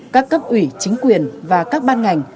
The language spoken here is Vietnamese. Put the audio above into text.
các cấp ủy chính quyền và các ban ngành